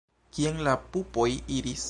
Kien la pupoj iris?